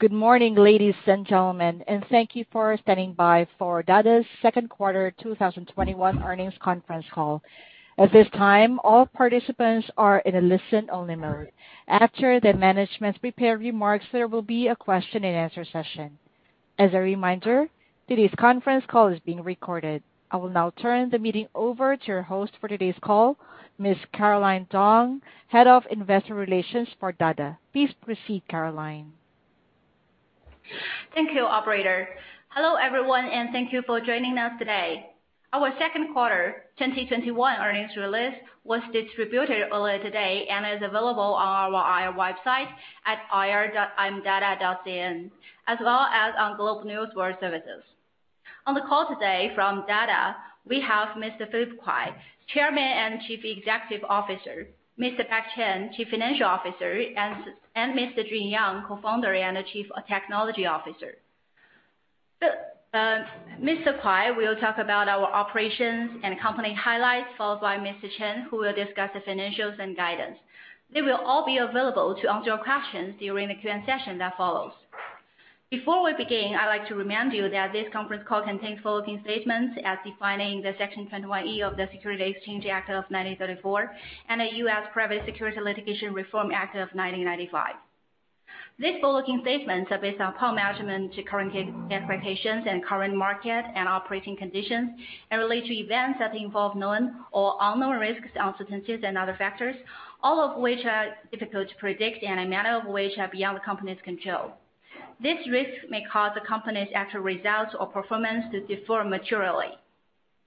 Good morning, ladies and gentlemen. Thank you for standing by for Dada's second quarter 2021 earnings conference call. At this time, all participants are in a listen-only mode. After the management's prepared remarks, there will be a question and answer session. As a reminder, today's conference call is being recorded. I will now turn the meeting over to your host for today's call, Ms. Caroline Dong, Head of Investor Relations for Dada. Please proceed, Caroline. Thank you, operator. Hello everyone, and thank you for joining us today. Our second quarter 2021 earnings release was distributed earlier today and is available on our IR website at ir.imdada.cn, as well as on GlobeNewswire services. On the call today from Dada, we have Mr. Philip Kuai, Chairman and Chief Executive Officer, Mr. Beck Chen, Chief Financial Officer, and Mr. Jun Yang, Co-founder and the Chief Technology Officer. Mr. Kuai will talk about our operations and company highlights, followed by Mr. Chen, who will discuss the financials and guidance. They will all be available to answer your questions during the Q&A session that follows. Before we begin, I'd like to remind you that this conference call contains forward-looking statements as defining the Section 21E of the Securities Exchange Act of 1934, and the U.S. Private Securities Litigation Reform Act of 1995. These forward-looking statements are based on our management current expectations and current market and operating conditions, and relate to events that involve known or unknown risks, uncertainties, and other factors, all of which are difficult to predict and many of which are beyond the company's control. These risks may cause the company's actual results or performance to differ materially.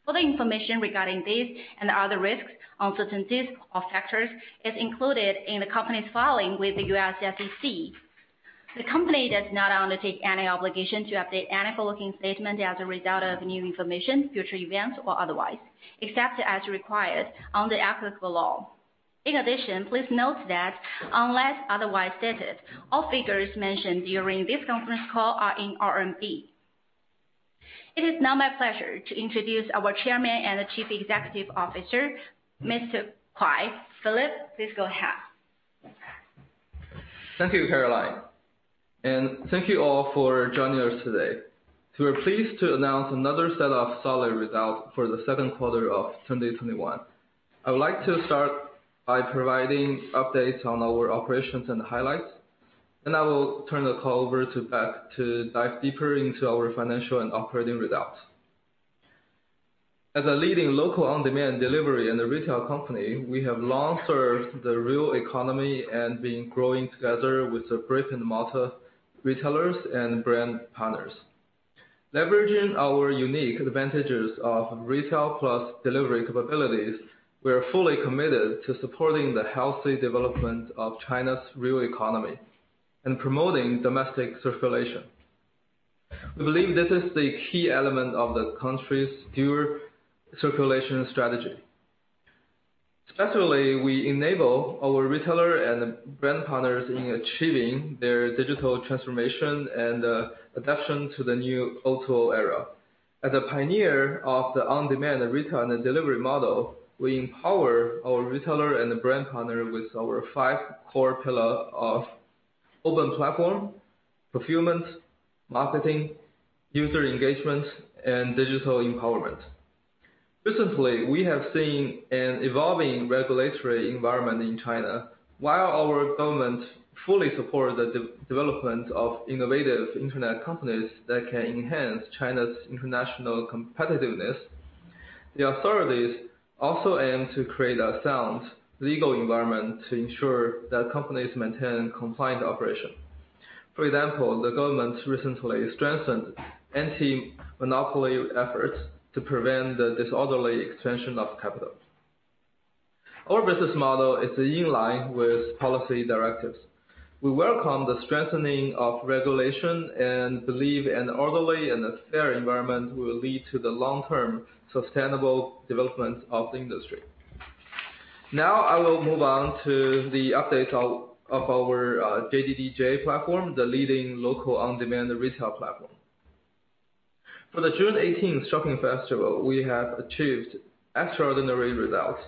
Full information regarding these and other risks, uncertainties or factors is included in the company's filing with the U.S. SEC. The company does not undertake any obligation to update any forward-looking statement as a result of new information, future events, or otherwise, except as required under applicable law. In addition, please note that unless otherwise stated, all figures mentioned during this conference call are in RMB. It is now my pleasure to introduce our chairman and chief executive officer, Mr. Philip Kuai. Philip, please go ahead. Thank you, Caroline, and thank you all for joining us today. We're pleased to announce another set of solid results for the second quarter of 2021. I would like to start by providing updates on our operations and highlights, then I will turn the call over to Beck to dive deeper into our financial and operating results. As a leading local on-demand delivery and a retail company, we have long served the real economy and been growing together with the brick-and-mortar retailers and brand partners. Leveraging our unique advantages of retail plus delivery capabilities, we are fully committed to supporting the healthy development of China's real economy and promoting domestic circulation. We believe this is the key element of the country's dual circulation strategy. Especially, we enable our retailer and brand partners in achieving their digital transformation and adaptation to the new social era. As a pioneer of the on-demand retail and delivery model, we empower our retailer and brand partner with our five core pillars of open platform, fulfillment, marketing, user engagement, and digital empowerment. Recently, we have seen an evolving regulatory environment in China. While our government fully support the development of innovative internet companies that can enhance China's international competitiveness, the authorities also aim to create a sound legal environment to ensure that companies maintain compliant operation. For example, the government recently strengthened anti-monopoly efforts to prevent the disorderly extension of capital. Our business model is in line with policy directives. We welcome the strengthening of regulation and believe an orderly and a fair environment will lead to the long-term sustainable development of the industry. Now, I will move on to the updates of our JDDJ platform, the leading local on-demand retail platform. For the 618 Shopping Festival, we have achieved extraordinary results.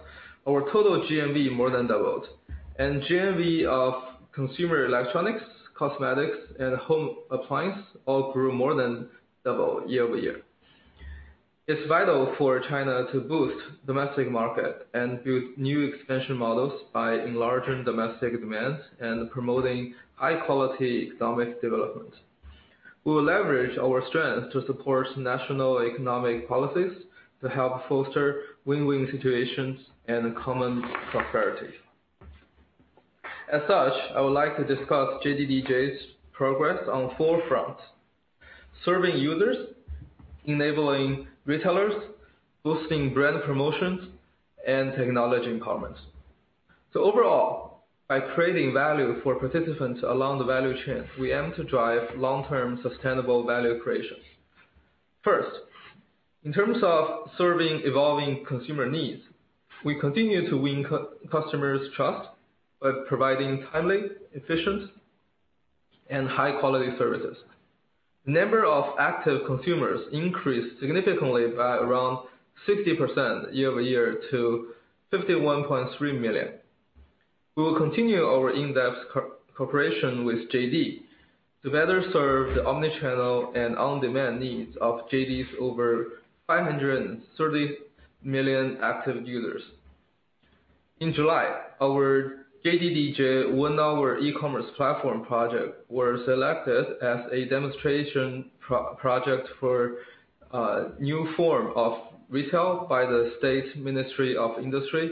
Our total GMV more than doubled, and GMV of consumer electronics, cosmetics, and home appliance all grew more than double year-over-year. It's vital for China to boost domestic market and build new expansion models by enlarging domestic demand and promoting high-quality economic development. We will leverage our strength to support national economic policies to help foster win-win situations and common prosperity. I would like to discuss JDDJ's progress on four fronts: serving users, enabling retailers, boosting brand promotions, and technology empowerment. Overall, by creating value for participants along the value chain, we aim to drive long-term sustainable value creation. First, in terms of serving evolving consumer needs, we continue to win customers' trust by providing timely, efficient, and high-quality services. The number of active consumers increased significantly by around 60% year-over-year to 51.3 million. We will continue our in-depth cooperation with JD to better serve the omni-channel and on-demand needs of JD's over 530 million active users. In July, our JDDJ one-hour e-commerce platform project was selected as a demonstration project for a new form of retail by the State Ministry of Industry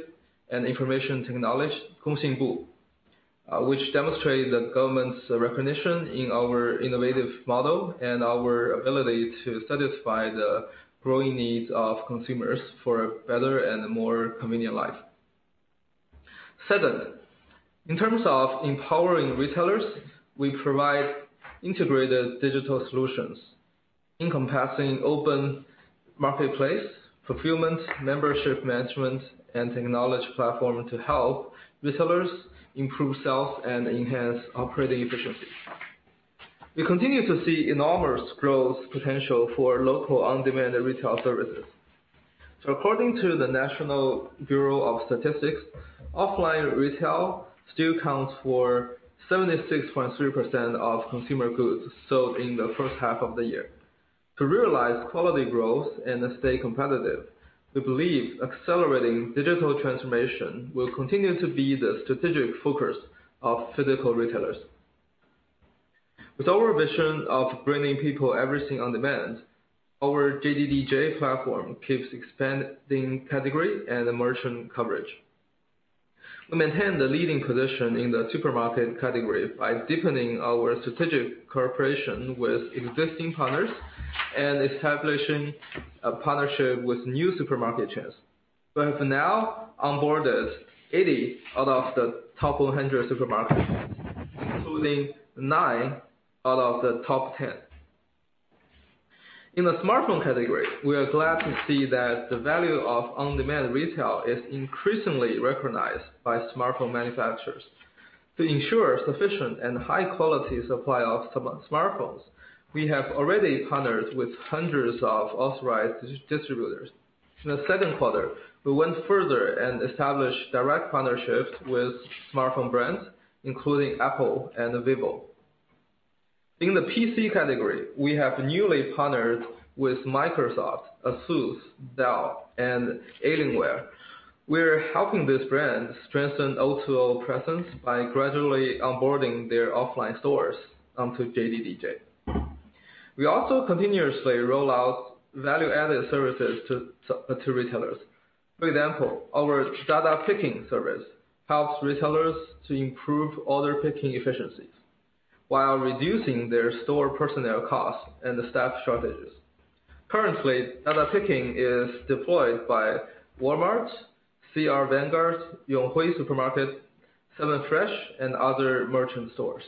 and Information Technology, which demonstrated the government's recognition in our innovative model and our ability to satisfy the growing needs of consumers for a better and more convenient life. Second, in terms of empowering retailers, we provide integrated digital solutions encompassing open marketplace, fulfillment, membership management, and technology platform to help retailers improve sales and enhance operating efficiency. We continue to see enormous growth potential for local on-demand retail services. According to the National Bureau of Statistics, offline retail still accounts for 76.3% of consumer goods sold in the first half of the year. To realize quality growth and stay competitive, we believe accelerating digital transformation will continue to be the strategic focus of physical retailers. With our vision of bringing people everything on-demand, our JDDJ platform keeps expanding category and merchant coverage. We maintain the leading position in the supermarket category by deepening our strategic cooperation with existing partners and establishing a partnership with new supermarket chains. We have now onboarded 80 out of the top 100 supermarkets, including nine out of the top 10. In the smartphone category, we are glad to see that the value of on-demand retail is increasingly recognized by smartphone manufacturers. To ensure sufficient and high-quality supply of smartphones, we have already partnered with hundreds of authorized distributors. In the second quarter, we went further and established direct partnerships with smartphone brands, including Apple and Vivo. In the PC category, we have newly partnered with Microsoft, Asus, Dell, and Alienware. We're helping these brands strengthen O2O presence by gradually onboarding their offline stores onto JDDJ. We also continuously roll out value-added services to retailers. For example, our Dada Picking service helps retailers to improve order picking efficiencies while reducing their store personnel costs and the staff shortages. Currently, Dada Picking is deployed by Walmart, CR Vanguard, Yonghui Superstores, 7Fresh, and other merchant stores.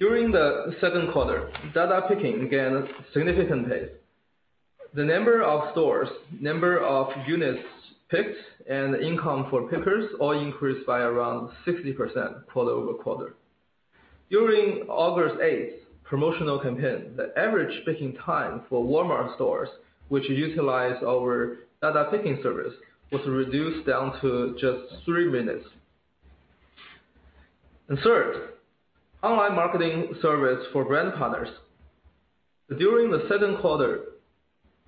During the second quarter, Dada Picking gained significant pace. The number of stores, number of units picked, and income for pickers all increased by around 60% quarter-over-quarter. During August 8th promotional campaign, the average picking time for Walmart stores, which utilize our Dada Picking service, was reduced down to just three minutes. Third, online marketing service for brand partners. During the second quarter,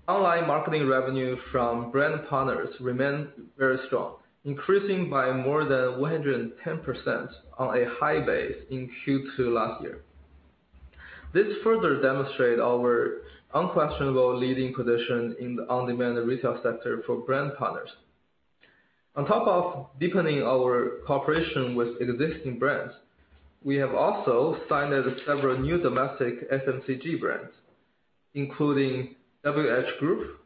online marketing revenue from brand partners remained very strong, increasing by more than 110% on a high base in Q2 last year. This further demonstrates our unquestionable leading position in the on-demand retail sector for brand partners. On top of deepening our cooperation with existing brands, we have also signed several new domestic FMCG brands, including WH Group,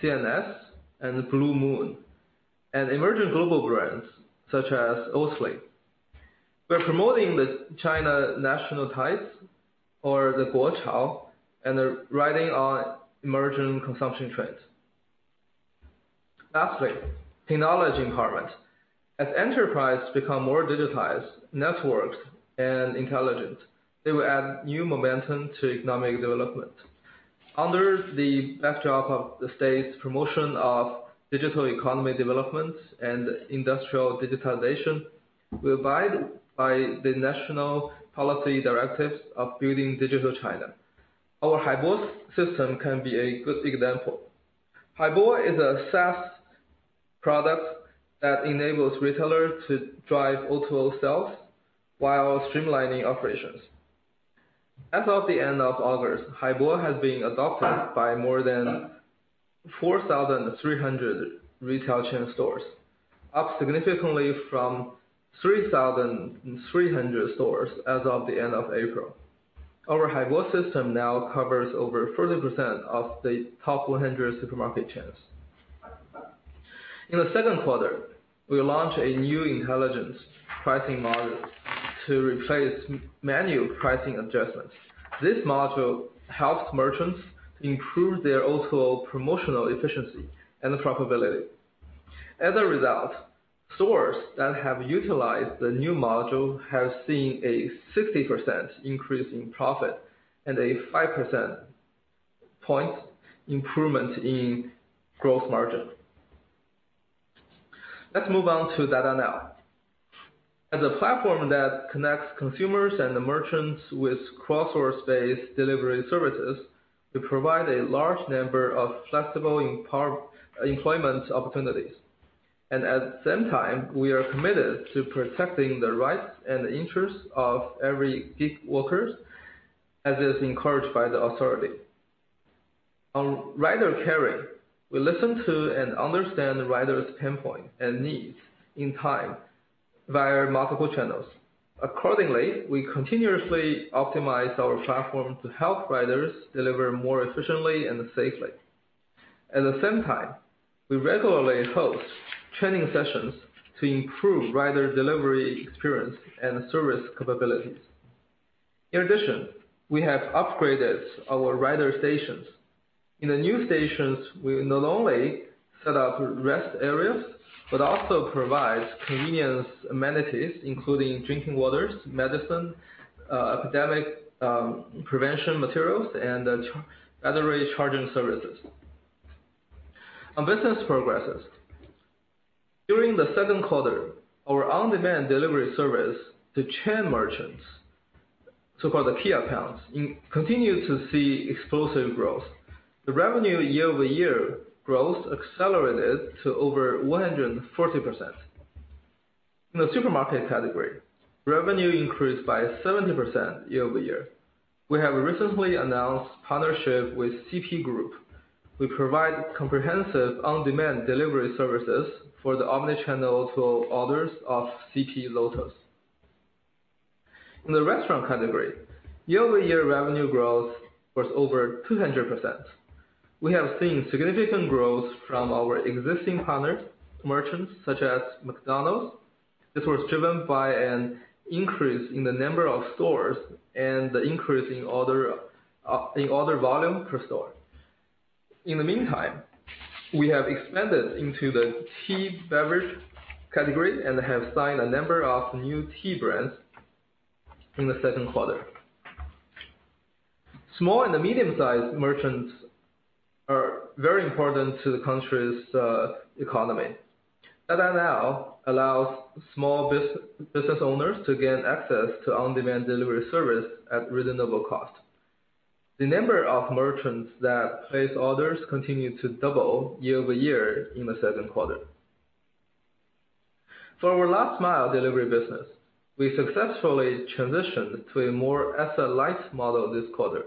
C&S, and Blue Moon, and emerging global brands such as Oatly. We're promoting the China national tides, or the guó cháo, and they're riding on emerging consumption trends. Technology empowerment. As enterprises become more digitized, networked, and intelligent, they will add new momentum to economic development. Under the backdrop of the state's promotion of digital economy development and industrial digitalization, we abide by the national policy directives of building digital China. Our Haibo System can be a good example. Haibo is a SaaS product that enables retailers to drive O2O sales while streamlining operations. As of the end of August, Dada Haibo has been adopted by more than 4,300 retail chain stores, up significantly from 3,300 stores as of the end of April. Our Dada Haibo System now covers over 30% of the top 100 supermarket chains. In the second quarter, we launched a new intelligence pricing module to replace manual pricing adjustments. This module helps merchants improve their O2O promotional efficiency and profitability. As a result, stores that have utilized the new module have seen a 60% increase in profit and a 5 percentage point improvement in gross margin. Let's move on to Dada Now. As a platform that connects consumers and the merchants with crowdsourced based delivery services, we provide a large number of flexible employment opportunities. At the same time, we are committed to protecting the rights and the interests of every gig worker, as is encouraged by the authority. On rider care, we listen to and understand the rider's pain points and needs in time via multiple channels. Accordingly, we continuously optimize our platform to help riders deliver more efficiently and safely. At the same time, we regularly host training sessions to improve rider delivery experience and service capabilities. In addition, we have upgraded our rider stations. In the new stations, we not only set up rest areas, but also provide convenience amenities including drinking water, medicine, epidemic prevention materials, and battery charging services. On business progresses. During the second quarter, our on-demand delivery service to chain merchants, so-called the key accounts, continued to see explosive growth. The revenue year-over-year growth accelerated to over 140%. In the supermarket category, revenue increased by 70% year-over-year. We have recently announced partnership with CP Group, we provide comprehensive on-demand delivery services for the omni-channel to O2O orders of CP Lotus. In the restaurant category, year-over-year revenue growth was over 200%. We have seen significant growth from our existing partners, merchants such as McDonald's. This was driven by an increase in the number of stores and the increase in order volume per store. In the meantime, we have expanded into the tea beverage category and have signed a number of new tea brands in the second quarter. Small and medium-sized merchants are very important to the country's economy. Dada Now allows small business owners to gain access to on-demand delivery service at reasonable cost. The number of merchants that place orders continued to double year-over-year in the second quarter. For our last mile delivery business, we successfully transitioned to a more asset-light model this quarter.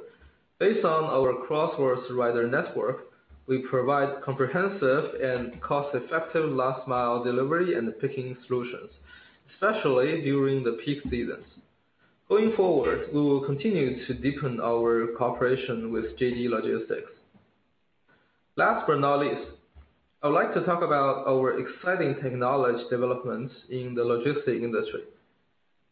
Based on our crowdsourced rider network, we provide comprehensive and cost-effective last mile delivery and picking solutions, especially during the peak seasons. Going forward, we will continue to deepen our cooperation with JD Logistics. Last but not least, I would like to talk about our exciting technology developments in the logistics industry.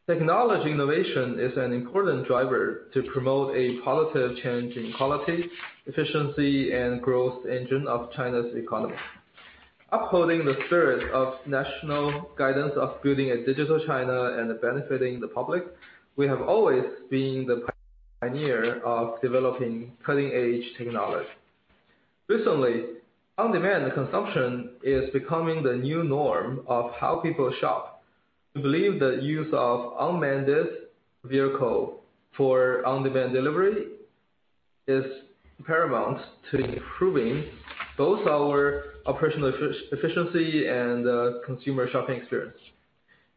Technology innovation is an important driver to promote a positive change in quality, efficiency, and growth engine of China's economy. Upholding the spirit of national guidance of building a Digital China and benefiting the public, we have always been the pioneer of developing cutting-edge technology. Recently, on-demand consumption is becoming the new norm of how people shop. We believe the use of unmanned vehicle for on-demand delivery is paramount to improving both our operational efficiency and consumer shopping experience.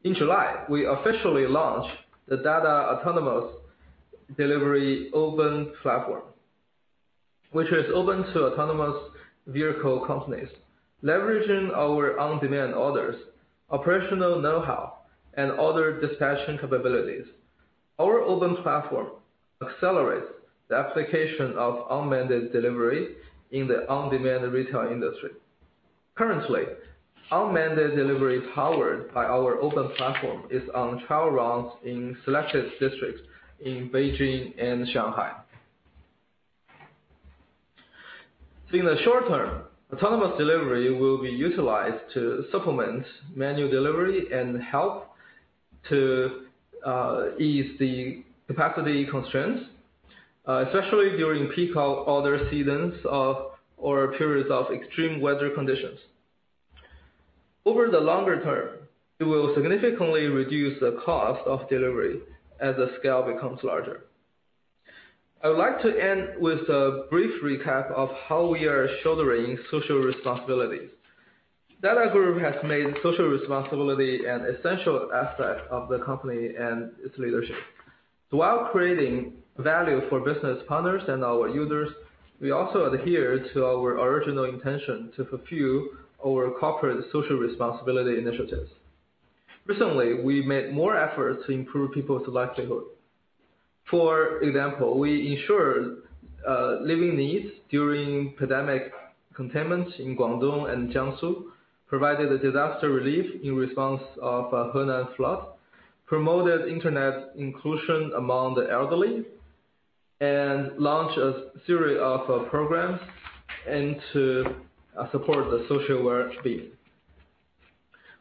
In July, we officially launched the Dada Autonomous Delivery Open Platform, which is open to autonomous vehicle companies, leveraging our on-demand orders, operational knowhow, and order dispatching capabilities. Our open platform accelerates the application of unmanned delivery in the on-demand retail industry. Currently, unmanned delivery powered by our open platform is on trial runs in selected districts in Beijing and Shanghai. In the short term, autonomous delivery will be utilized to supplement manual delivery and help to ease the capacity constraints, especially during peak order seasons or periods of extreme weather conditions. Over the longer term, it will significantly reduce the cost of delivery as the scale becomes larger. I would like to end with a brief recap of how we are shouldering social responsibility. Dada Group has made social responsibility an essential aspect of the company and its leadership. While creating value for business partners and our users, we also adhere to our original intention to fulfill our corporate social responsibility initiatives. Recently, we made more efforts to improve people's livelihood. For example, we ensured living needs during pandemic containment in Guangdong and Jiangsu, provided a disaster relief in response of Henan flood, promoted internet inclusion among the elderly. Launch a series of programs and to support the social well-being.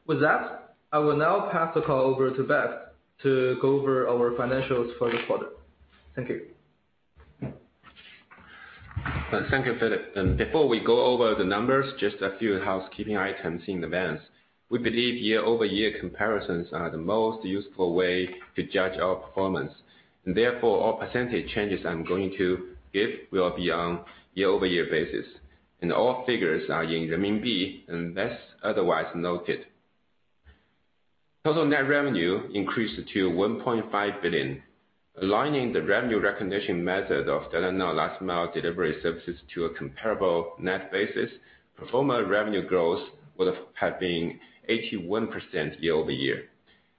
With that, I will now pass the call over to Beck to go over our financials for this quarter. Thank you. Thank you, Philip. Before we go over the numbers, just a few housekeeping items in advance. We believe year-over-year comparisons are the most useful way to judge our performance, and therefore, all percentage changes I'm going to give will be on year-over-year basis, and all figures are in RMB unless otherwise noted. Total net revenue increased to 1.5 billion. Aligning the revenue recognition method of Dada Now last mile delivery services to a comparable net basis, pro forma revenue growth would have been 81% year-over-year.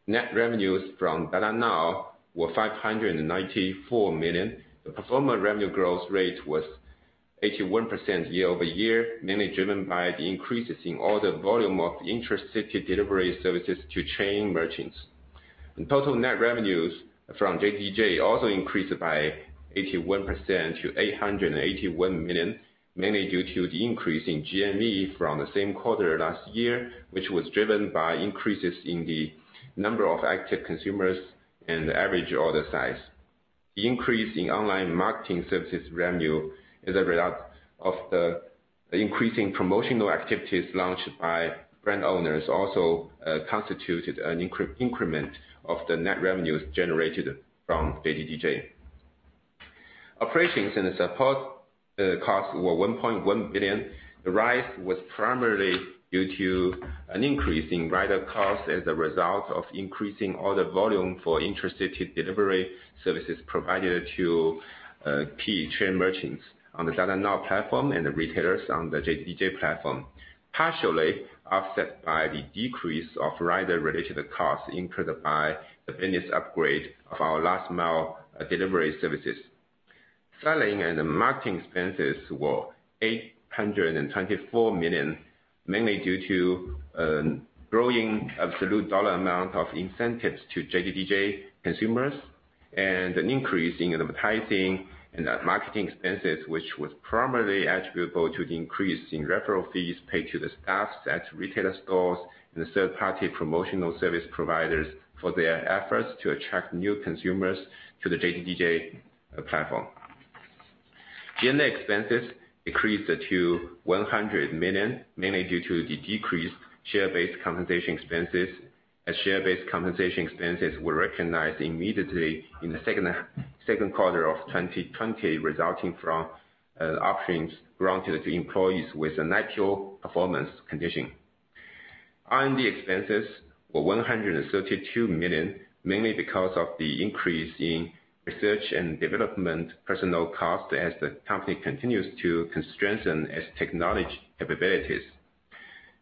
Net revenues from Dada Now were 594 million. The pro forma revenue growth rate was 81% year-over-year, mainly driven by the increases in order volume of intracity delivery services to chain merchants. Total net revenues from JDDJ also increased by 81% to 881 million, mainly due to the increase in GMV from the same quarter last year, which was driven by increases in the number of active consumers and the average order size. The increase in online marketing services revenue is a result of the increasing promotional activities launched by brand owners, also constituted an increment of the net revenues generated from JDDJ. Operations and support costs were 1.1 billion. The rise was primarily due to an increase in rider costs as a result of increasing order volume for intracity delivery services provided to key chain merchants on the Dada Now platform and the retailers on the JDDJ platform, partially offset by the decrease of rider-related costs incurred by the business upgrade of our last mile delivery services. Selling and marketing expenses were 824 million, mainly due to a growing absolute dollar amount of incentives to JDDJ consumers and an increase in advertising and marketing expenses, which was primarily attributable to the increase in referral fees paid to the staff at retailer stores and third-party promotional service providers for their efforts to attract new consumers to the JDDJ platform. G&A expenses decreased to 100 million, mainly due to the decreased share-based compensation expenses as share-based compensation expenses were recognized immediately in the second quarter of 2020, resulting from options granted to employees with an actual performance condition. R&D expenses were 132 million, mainly because of the increase in research and development personnel costs as the company continues to strengthen its technology capabilities.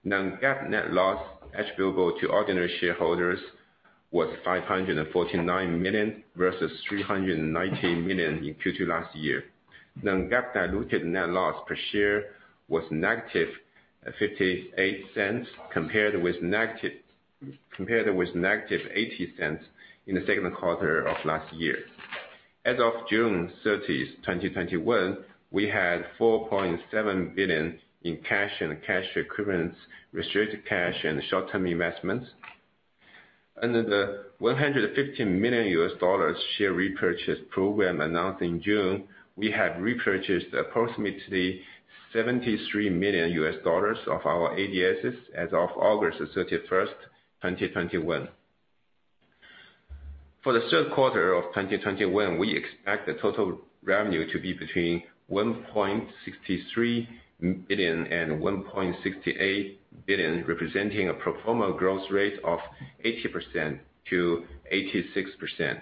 Non-GAAP net loss attributable to ordinary shareholders was 549 million versus 390 million in Q2 last year. Non-GAAP diluted net loss per share was -0.58 compared with -0.80 in the second quarter of last year. As of June 30th, 2021, we had 4.7 billion in cash and cash equivalents, restricted cash and short-term investments. Under the $115 million share repurchase program announced in June, we have repurchased approximately $73 million of our ADSs as of August 31st, 2021. For the third quarter of 2021, we expect the total revenue to be between 1.63 billion and 1.68 billion, representing a pro forma growth rate of 80%-86%,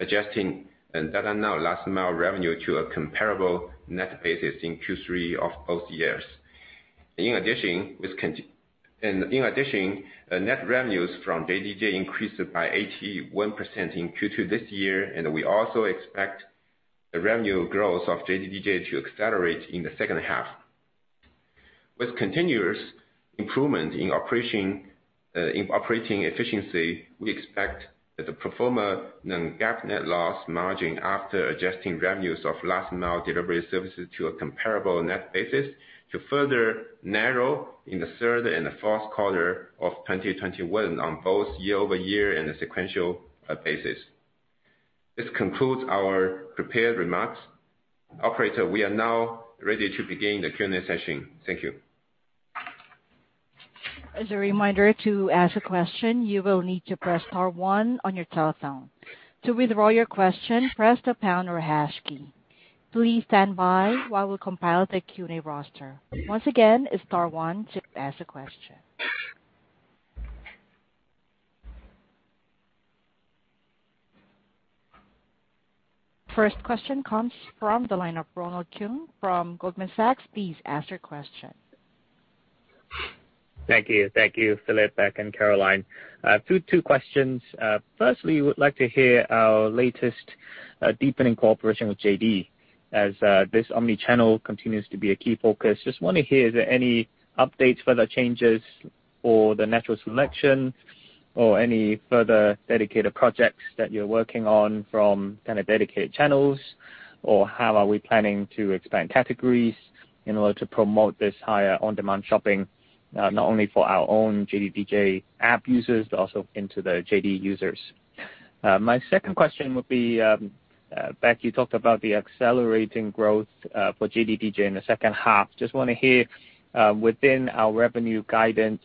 adjusting Dada Now last mile revenue to a comparable net basis in Q3 of both years. In addition, net revenues from JDDJ increased by 81% in Q2 this year. We also expect the revenue growth of JDDJ to accelerate in the second half. With continuous improvement in operating efficiency, we expect the pro forma Non-GAAP net loss margin after adjusting revenues of last mile delivery services to a comparable net basis to further narrow in the third and the fourth quarter of 2021 on both year-over-year and a sequential basis. This concludes our prepared remarks. Operator, we are now ready to begin the Q&A session. Thank you. As a reminder, to ask a question, you will need to press star one on your telephone. To withdraw your question, press the pound or hash key. Please stand by while we compile the Q&A roster. Once again, it is star one to ask a question. First question comes from the line of Ronald Keung from Goldman Sachs. Please ask your question. Thank you. Thank you, Philip, Beck, and Caroline. Two questions. Firstly, would like to hear our latest deepening cooperation with JD.com. As this omnichannel continues to be a key focus, just want to hear, is there any updates, further changes for the natural selection or any further dedicated projects that you're working on from dedicated channels? How are we planning to expand categories in order to promote this higher on-demand shopping, not only for our own JDDJ app users, but also into the JD.com users? My second question would be, Beck, you talked about the accelerating growth for JDDJ in the second half. Just want to hear within our revenue guidance,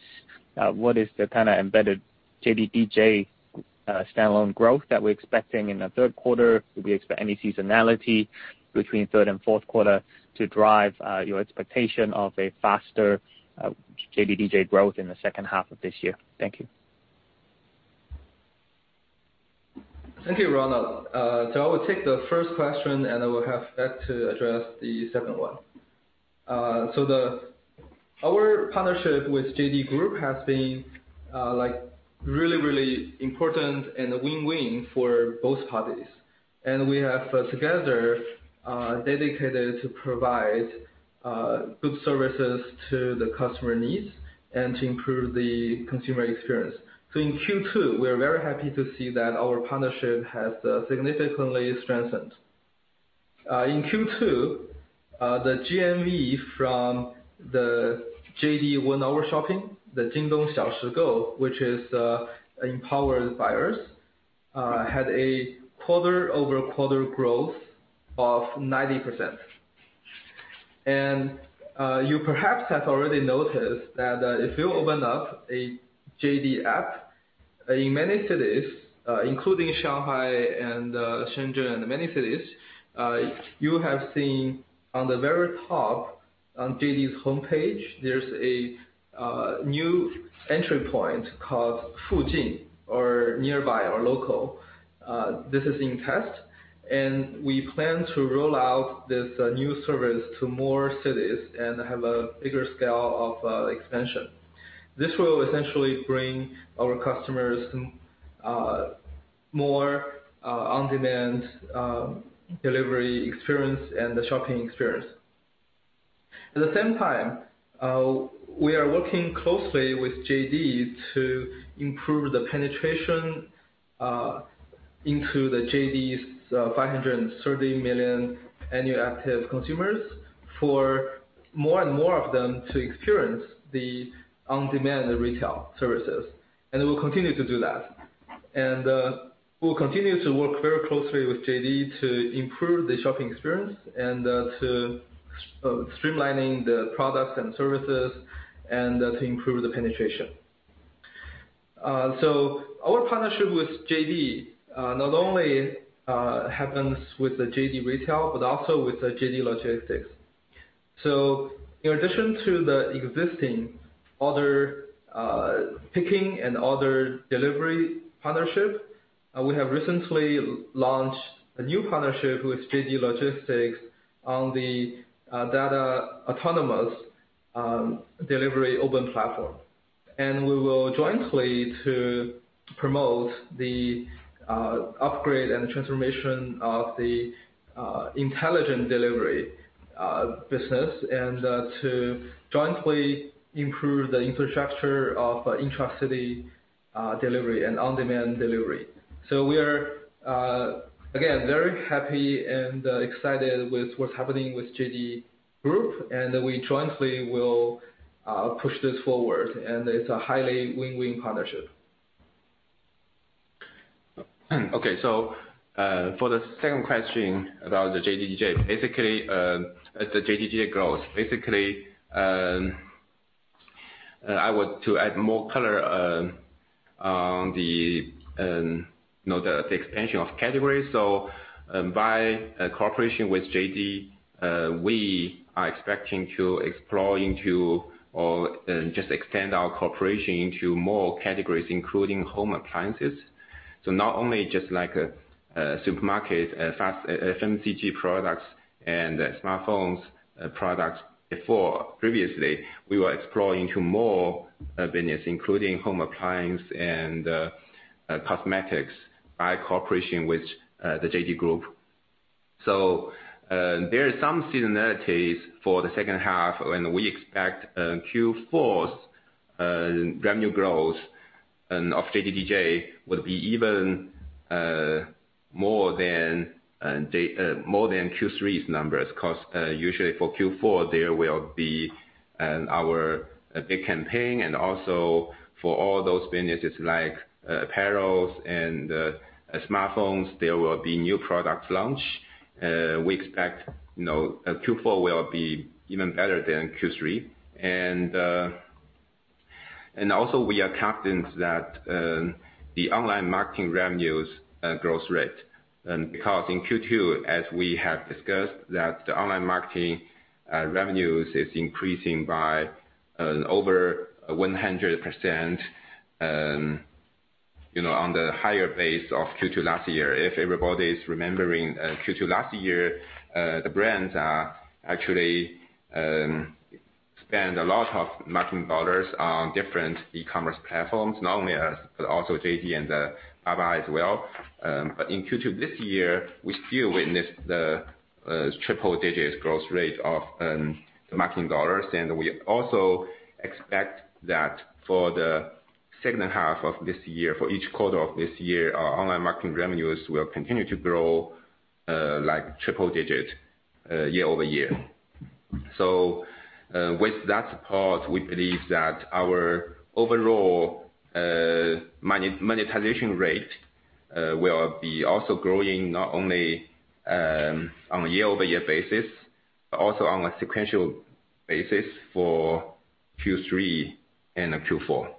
what is the kind of embedded JDDJ standalone growth that we're expecting in the third quarter? Do we expect any seasonality between third and fourth quarter to drive your expectation of a faster JDDJ growth in the second half of this year? Thank you. Thank you, Ronald. I will take the first question, and I will have Beck to address the second one. Our partnership with JD Group has been really, really important and a win-win for both parties. We have together dedicated to provide good services to the customer needs and to improve the consumer experience. In Q2, we are very happy to see that our partnership has significantly strengthened. In Q2, the GMV from the Shop Now, the which is empowered by us, had a quarter-over-quarter growth of 90%. You perhaps have already noticed that if you open up a JD app in many cities, including Shanghai and Shenzhen and many cities, you have seen on the very top on JD's homepage, there's a new entry point called or nearby or local. This is in test, and we plan to roll out this new service to more cities and have a bigger scale of expansion. This will essentially bring our customers more on-demand delivery experience and the shopping experience. At the same time, we are working closely with JD to improve the penetration into the JD's 530 million annual active consumers for more and more of them to experience the on-demand retail services. We'll continue to do that. We'll continue to work very closely with JD to improve the shopping experience and to streamlining the products and services and to improve the penetration. Our partnership with JD, not only happens with the JD Retail, but also with the JD Logistics. In addition to the existing order picking and order delivery partnership, we have recently launched a new partnership with JD Logistics on the Dada Autonomous Delivery Open Platform. We will jointly to promote the upgrade and transformation of the intelligent delivery business and to jointly improve the infrastructure of intra-city delivery and on-demand delivery. We are, again, very happy and excited with what's happening with JD Group, and we jointly will push this forward, and it's a highly win-win partnership. Okay. For the second question about the JDDJ growth. Basically, I want to add more color on the extension of categories. By cooperation with JD.com, we are expecting to explore into or just extend our cooperation into more categories, including home appliances. Not only just like a supermarket, fast FMCG products and smartphones products before. Previously, we were exploring to more business, including home appliance and cosmetics by cooperation with the JD.com group. There is some similarities for the second half when we expect Q4's revenue growth of JDDJ will be even more than Q3's numbers, because usually for Q4 there will be our big campaign and also for all those businesses like apparels and smartphones, there will be new product launch. We expect Q4 will be even better than Q3. We are confident that the online marketing revenues growth rate. Because in Q2, as we have discussed that the online marketing revenues is increasing by over 100% on the higher base of Q2 last year. If everybody's remembering Q2 last year, the brands actually spent a lot of marketing dollars on different e-commerce platforms, not only us, but also JD.com and Alibaba as well. In Q2 this year, we still witnessed the triple-digit growth rate of the marketing dollars, and we also expect that for the second half of this year, for each quarter of this year, our online marketing revenues will continue to grow triple-digit year-over-year. With that support, we believe that our overall monetization rate will be also growing not only on a year-over-year basis, but also on a sequential basis for Q3 and Q4.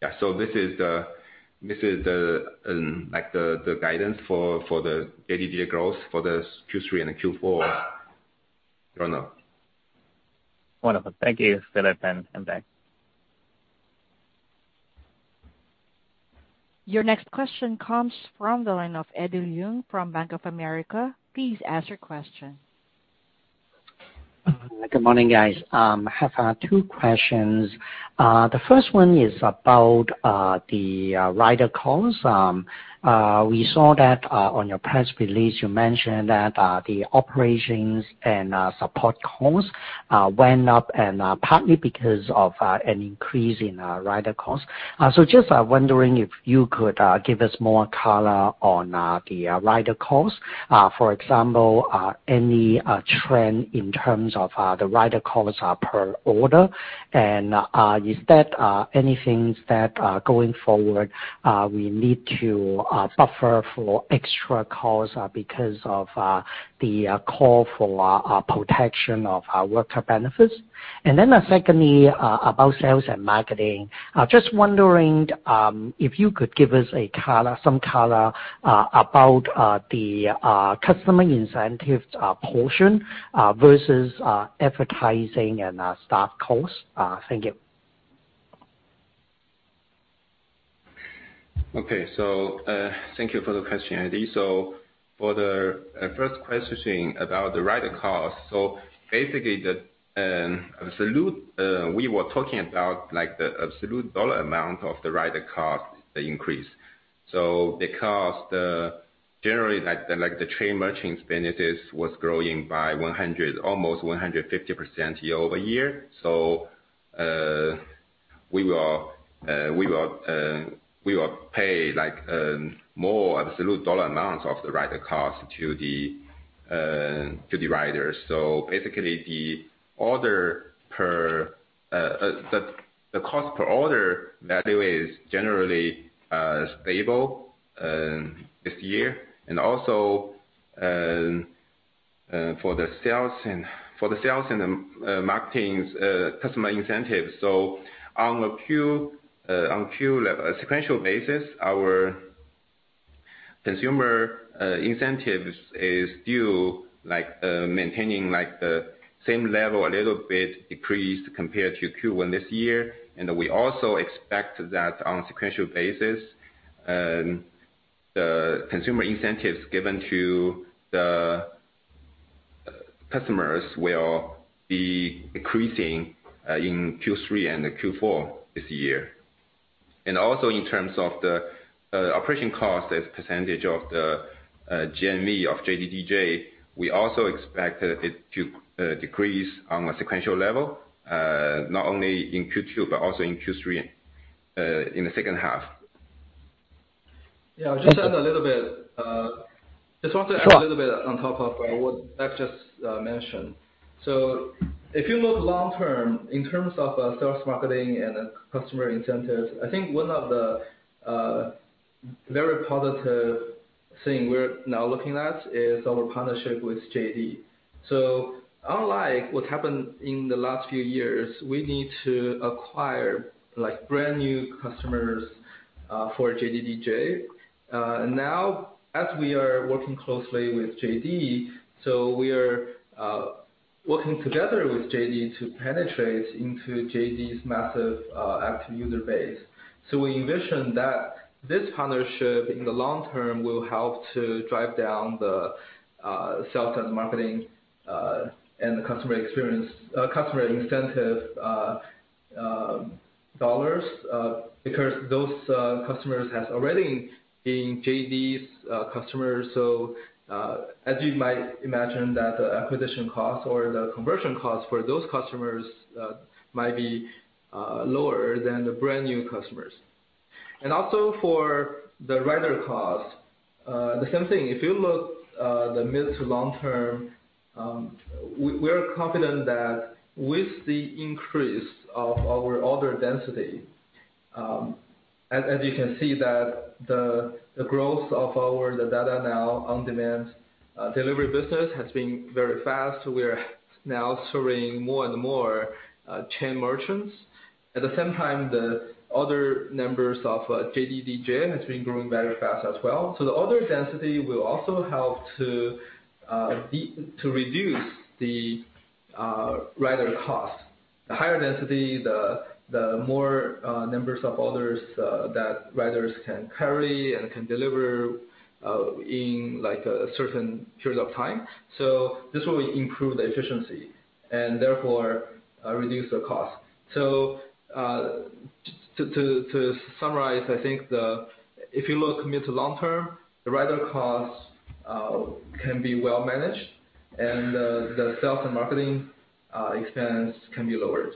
This is the guidance for JDDJ growth for Q3 and Q4. Wonderful. Thank you, Philip and Beck. Your next question comes from the line of Eddie Leung from Bank of America. Please ask your question. Good morning, guys. I have two questions. The first one is about the rider costs. We saw that on your press release, you mentioned that the operations and support costs went up and partly because of an increase in rider costs. Just wondering if you could give us more color on the rider costs. For example, any trend in terms of the rider costs per order and is that anything that, going forward, we need to buffer for extra costs because of the call for protection of worker benefits? Secondly, about sales and marketing. Just wondering if you could give us some color about the customer incentive portion versus advertising and staff costs. Thank you. Okay. Thank you for the question, Eddie. For the first question about the rider cost. Basically, we were talking about the absolute dollar amount of the rider cost increase. Because generally, like the chain merchant benefits was growing by almost 150% year-over-year. We will pay more absolute dollar amounts of the rider cost to the riders. Basically the cost per order value is generally stable this year and also for the sales and marketing customer incentives. On a sequential basis, our consumer incentives is still maintaining the same level, a little bit decreased compared to Q1 this year. We also expect that on a sequential basis, the consumer incentives given to the customers will be decreasing in Q3 and Q4 this year. Also in terms of the operation cost as a percentage of the GMV of JDDJ, we also expect it to decrease on a sequential level, not only in Q2 but also in Q3 in the second half. Yeah. Just want to add a little bit. Sure On top of what Beck just mentioned. If you look long term in terms of sales, marketing, and customer incentives, I think one of the very positive thing we're now looking at is our partnership with JD.com. Unlike what happened in the last few years, we need to acquire brand-new customers for JDDJ. Now as we are working closely with JD.com, we are working together with JD.com to penetrate into JD.com's massive active user base. We envision that this partnership, in the long term, will help to drive down the sales and marketing and customer incentive dollars because those customers have already been JD.com's customers. As you might imagine, that the acquisition cost or the conversion cost for those customers might be lower than the brand-new customers. Also for the rider cost, the same thing. If you look the mid to long term, we're confident that with the increase of our order density, as you can see that the growth of our, the Dada Now on-demand delivery business has been very fast. We are now serving more and more chain merchants. At the same time, the order numbers of JDDJ has been growing very fast as well. The order density will also help to reduce the rider cost. The higher density, the more numbers of orders that riders can carry and can deliver in a certain period of time. This will improve the efficiency and therefore reduce the cost. To summarize, I think if you look mid to long term, the rider costs can be well managed, and the sales and marketing expense can be lowered.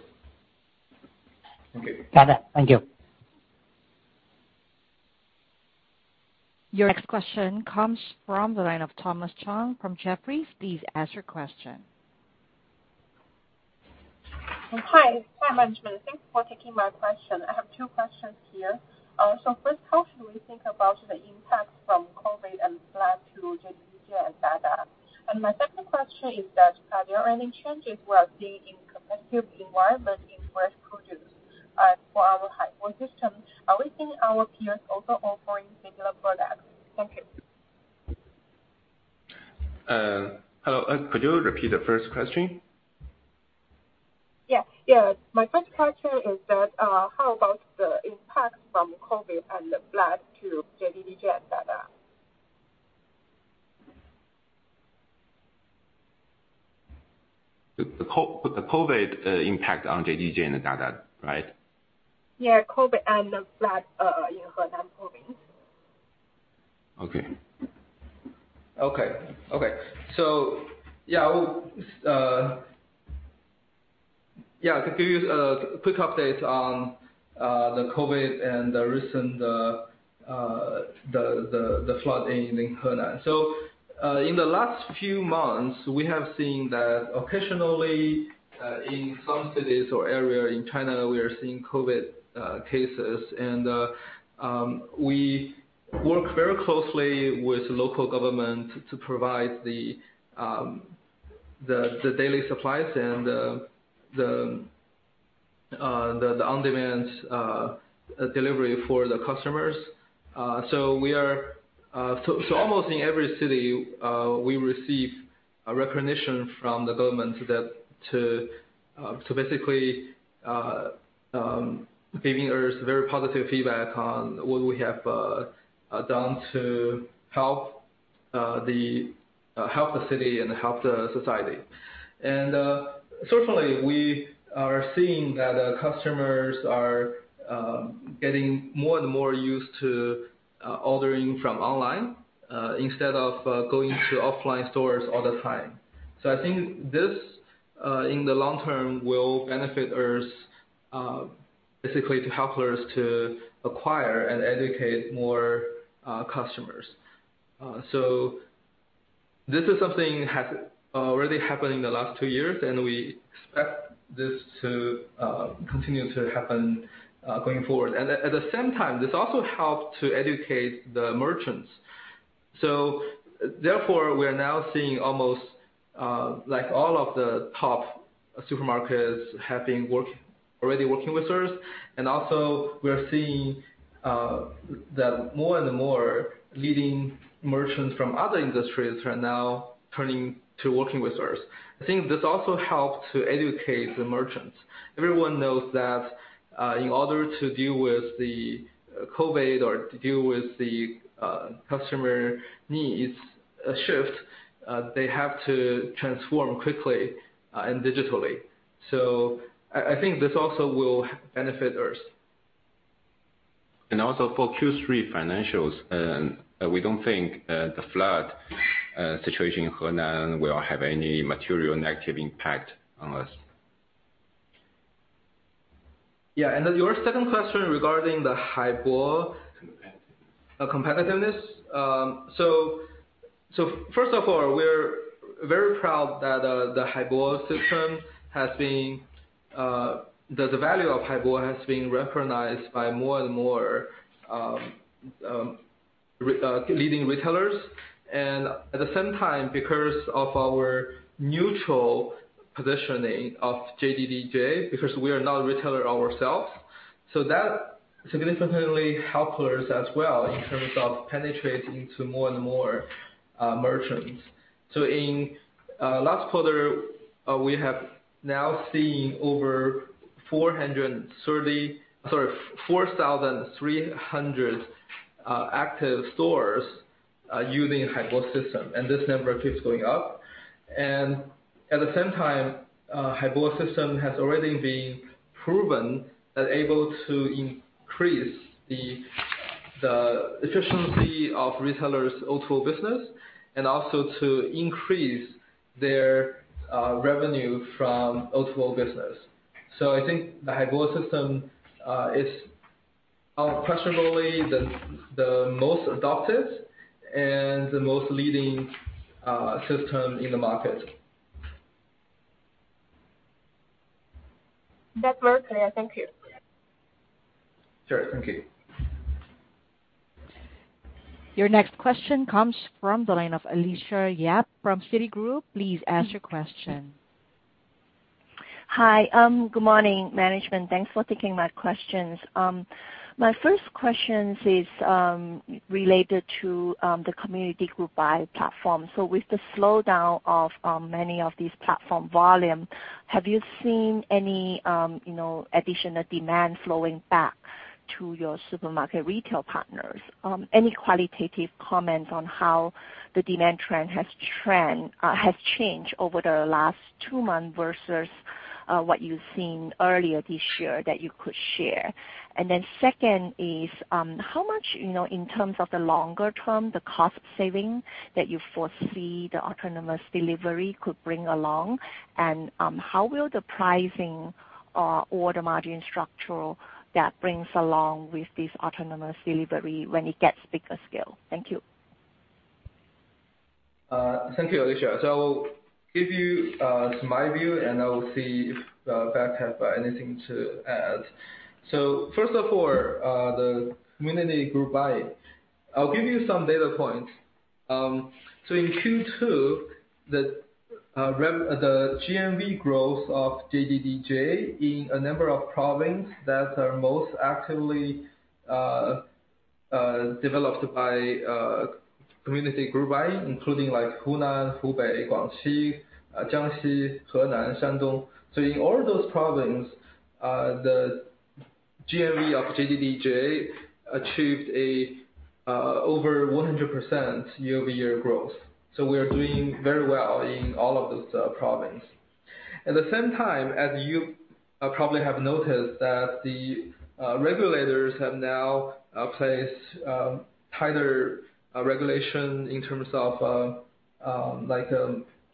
Thank you. Got it. Thank you. Your next question comes from the line of Thomas Chong from Jefferies. Please ask your question. Hi, management. Thanks for taking my question. I have two questions here. First, how should we think about the impacts from COVID and flood to JDDJ and Dada? My second question is that, are there any changes we are seeing in competitive environment in fresh produce for our Dada Haibo System? Are we seeing our peers also offering similar products? Thank you. Hello. Could you repeat the first question? Yeah. My first question is that, how about the impact from COVID and the flood to JDDJ and Dada? The COVID impact on JDDJ and Dada, right? Yeah, COVID and the flood in Henan province. Okay. To give you a quick update on the COVID and the recent flood in Henan. In the last few months, we have seen that occasionally in some cities or areas in China, we are seeing COVID cases. We work very closely with local government to provide the daily supplies and the on-demand delivery for the customers. Almost in every city, we receive recognition from the government to basically giving us very positive feedback on what we have done to help the city and help the society. Certainly, we are seeing that customers are getting more and more used to ordering from online, instead of going to offline stores all the time. I think this, in the long term, will benefit us, basically to help us to acquire and educate more customers. This is something that has already happened in the last two years, and we expect this to continue to happen going forward. At the same time, this also helped to educate the merchants. Therefore, we are now seeing almost all of the top supermarkets have been already working with us. Also, we are seeing that more and more leading merchants from other industries are now turning to working with us. I think this also helped to educate the merchants. Everyone knows that in order to deal with the COVID or to deal with the customer needs shift, they have to transform quickly and digitally. I think this also will benefit us. Also for Q3 financials, we don't think the flood situation in Henan will have any material negative impact on us. Yeah. Your second question regarding the Dada Haibo. Competitiveness. Competitiveness. First of all, we're very proud that the value of Dada Haibo has been recognized by more and more leading retailers. At the same time, because of our neutral positioning of JDDJ, because we are not a retailer ourselves, so that significantly help us as well in terms of penetrating to more and more merchants. In last quarter, we have now seen over 4,300 active stores using Dada Haibo System, and this number keeps going up. At the same time, Dada Haibo System has already been proven as able to increase the efficiency of retailers' O2O business, and also to increase their revenue from O2O business. I think the Dada Haibo System is unquestionably the most adopted and the most leading system in the market. That's very clear. Thank you. Sure. Thank you. Your next question comes from the line of Alicia Yap from Citigroup. Please ask your question. Hi. Good morning, management. Thanks for taking my questions. My first question is related to the community group buying platform. With the slowdown of many of these platform volume, have you seen any additional demand flowing back to your supermarket retail partners? Any qualitative comments on how the demand trend has changed over the last two months versus what you've seen earlier this year that you could share? Then second is, how much, in terms of the longer term, the cost saving that you foresee the autonomous delivery could bring along? How will the pricing or the margin structure that brings along with this autonomous delivery when it gets bigger scale? Thank you. Thank you, Alicia. I will give you my view, and I will see if Beck have anything to add. First of all, the community group buying. I will give you some data points. In Q2, the GMV growth of JDDJ in a number of provinces that are most actively developed by community group buying, including like Hunan, Hubei, Guangxi, Jiangxi, Henan, Shandong. In all those provinces, the GMV of JDDJ achieved over 100% year-over-year growth. We are doing very well in all of those provinces. At the same time, as you probably have noticed that the regulators have now placed tighter regulation in terms of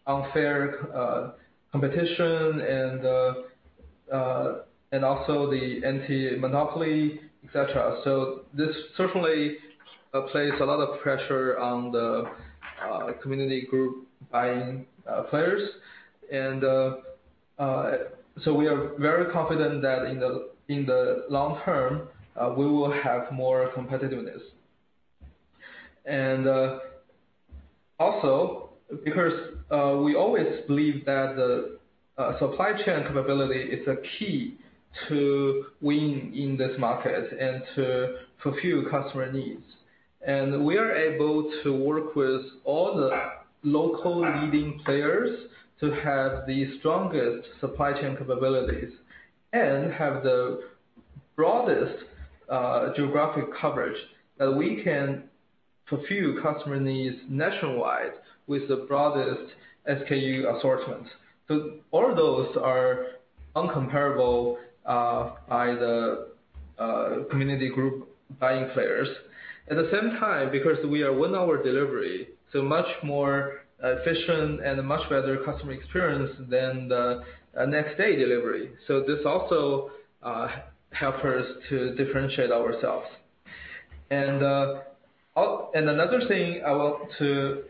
unfair competition and also the anti-monopoly, et cetera. This certainly places a lot of pressure on the community group buying players. We are very confident that in the long term, we will have more competitiveness. Also because we always believe that the supply chain capability is a key to win in this market and to fulfill customer needs. We are able to work with all the local leading players to have the strongest supply chain capabilities and have the broadest geographic coverage that we can fulfill customer needs nationwide with the broadest SKU assortment. All those are incomparable by the community group buying players. At the same time, because we are one-hour delivery, so much more efficient and much better customer experience than the next-day delivery. This also help us to differentiate ourselves. Another thing I want to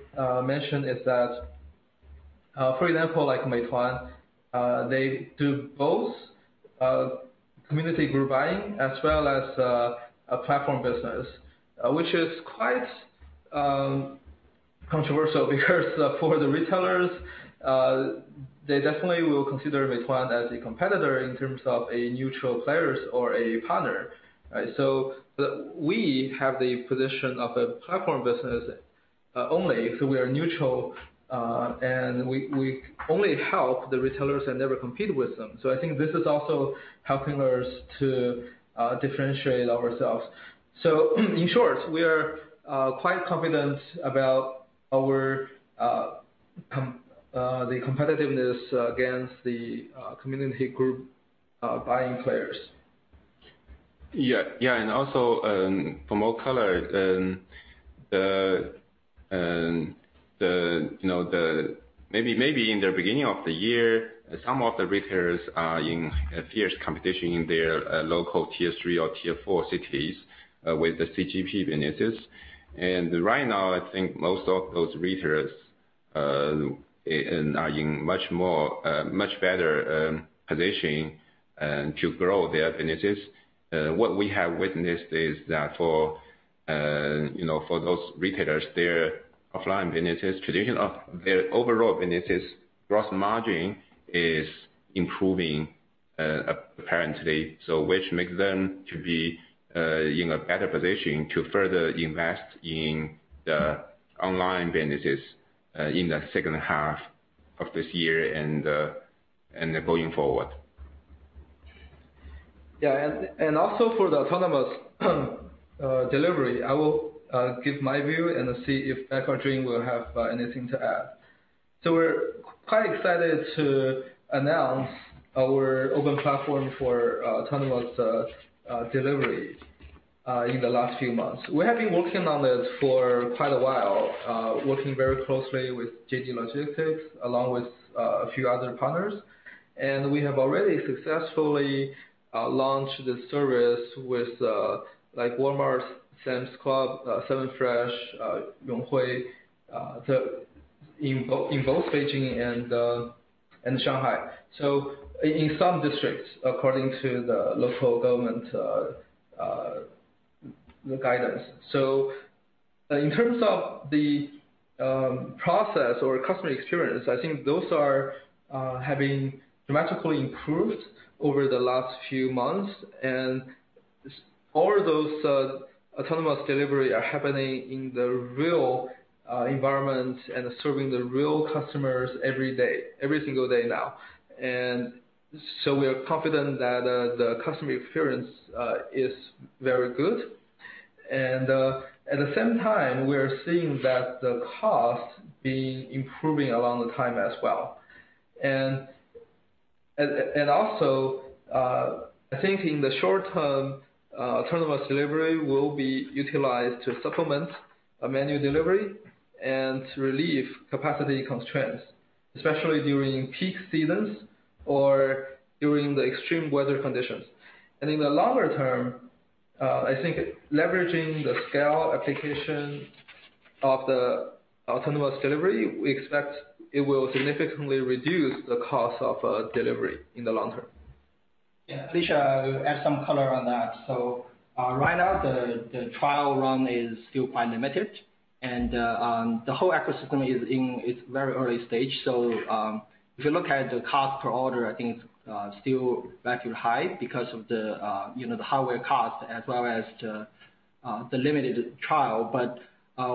mention is that, for example, like Meituan, they do both community group buying as well as a platform business, which is quite controversial because for the retailers, they definitely will consider Meituan as a competitor in terms of a neutral players or a partner, right? We have the position of a platform business only, so we are neutral, and we only help the retailers and never compete with them. I think this is also helping us to differentiate ourselves. In short, we are quite confident about the competitiveness against the community group buying players. Yeah. Also for more color. Maybe in the beginning of the year, some of the retailers are in a fierce competition in their local tier 3 or tier 4 cities with the CGB businesses. Right now, I think most of those retailers are in much better position to grow their businesses. What we have witnessed is that for those retailers, their offline businesses, their overall businesses' gross margin is improving apparently. Which makes them to be in a better position to further invest in the online businesses in the second half of this year and going forward. Yeah. Also for the autonomous delivery, I will give my view and see if Beck Chen will have anything to add. We're quite excited to announce our open platform for autonomous delivery in the last few months. We have been working on it for quite a while, working very closely with JD.com Logistics along with a few other partners. We have already successfully launched the service with Walmart, Sam's Club, 7Fresh, Yonghui, in both Beijing and Shanghai. In some districts, according to the local government guidance. In terms of the process or customer experience, I think those are having dramatically improved over the last few months. Autonomous delivery are happening in the real environment and serving the real customers every single day now. We are confident that the customer experience is very good. At the same time, we are seeing that the cost being improving along the time as well. Also, I think in the short term, autonomous delivery will be utilized to supplement a manual delivery and to relieve capacity constraints, especially during peak seasons or during the extreme weather conditions. In the longer term, I think leveraging the scale application of the autonomous delivery, we expect it will significantly reduce the cost of delivery in the long term. Jun Yang. I will add some color on that. Right now, the trial run is still quite limited. The whole ecosystem is in its very early stage. If you look at the cost per order, I think it's still relatively high because of the hardware cost as well as the limited trial.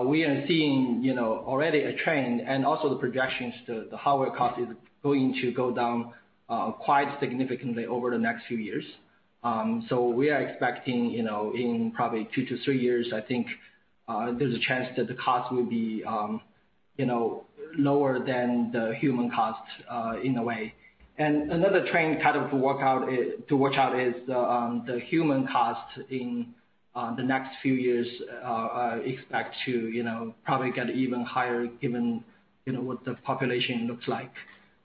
We are seeing already a trend and also the projections, the hardware cost is going to go down quite significantly over the next few years. We are expecting in probably two to three years, I think, there's a chance that the cost will be lower than the human cost in a way. Another trend to watch out is the human cost in the next few years expect to probably get even higher given what the population looks like.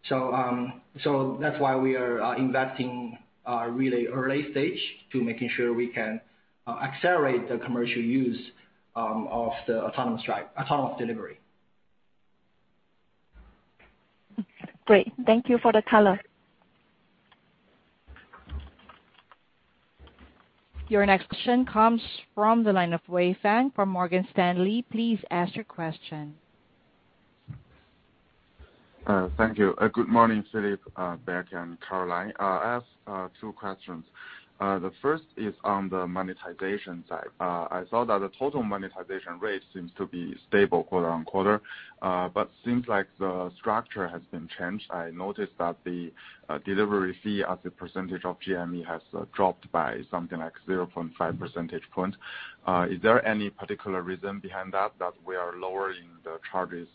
That's why we are investing really early stage to making sure we can accelerate the commercial use of the autonomous delivery. Great. Thank you for the color. Your next question comes from the line of Wei Fang from Morgan Stanley. Please ask your question. Thank you. Good morning, Philip, Beck and Caroline. I ask two questions. The first is on the monetization side. I saw that the total monetization rate seems to be stable quarter-over-quarter. Seems like the structure has been changed. I noticed that the delivery fee as a percentage of GMV has dropped by something like 0.5 percentage point. Is there any particular reason behind that we are lowering the charges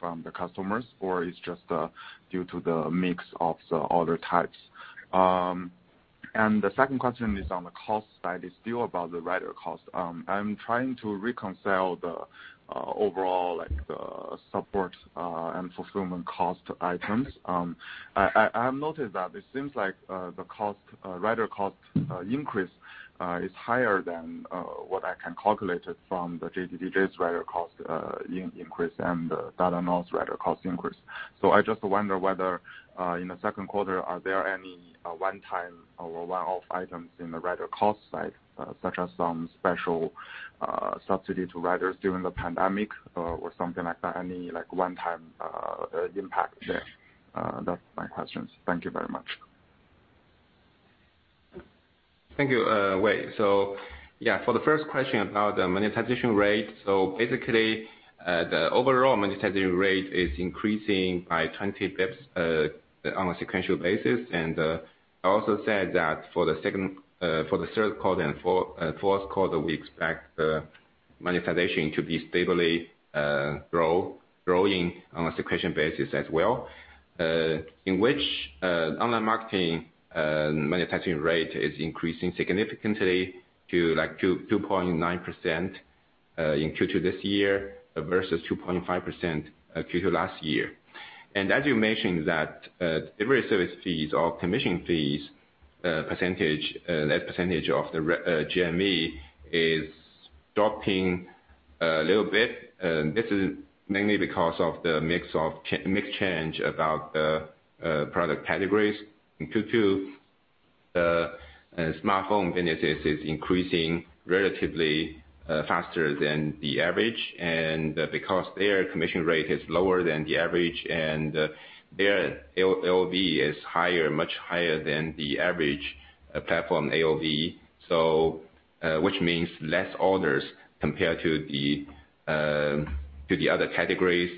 from the customers or it's just due to the mix of the order types? The second question is on the cost side, it's still about the rider cost. I'm trying to reconcile the overall support and fulfillment cost items. I have noticed that it seems like the rider cost increase is higher than what I can calculate it from the JDDJ's rider cost increase and the Dada Now's rider cost increase. I just wonder whether in the second quarter, are there any one-time or one-off items in the rider cost side, such as some special subsidy to riders during the pandemic or something like that, any one-time impact there? That's my questions. Thank you very much. Thank you, Wei. Yeah, for the first question about the monetization rate. Basically, the overall monetization rate is increasing by 20 basis points on a sequential basis. I also said that for the third quarter and fourth quarter, we expect the monetization to be stably growing on a sequential basis as well. In which online marketing monetization rate is increasing significantly to 2.9% in Q2 this year versus 2.5% Q2 last year. As you mentioned that delivery service fees or commission fees as percentage of the GMV is dropping a little bit. This is mainly because of the mix change about the product categories. In Q2, the smartphone business is increasing relatively faster than the average. Because their commission rate is lower than the average and their AOV is much higher than the average platform AOV, which means less orders compared to the other categories.